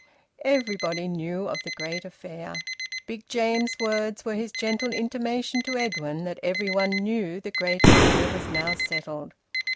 Everybody knew of the great affair. Big James's words were his gentle intimation to Edwin that every one knew the great affair was now settled.